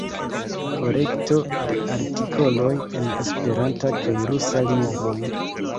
Kolekto de artikoloj en esperanta kaj rusa lingvoj.